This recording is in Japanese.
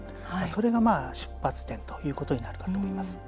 それが出発点ということになるかと思います。